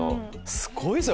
すごいですよ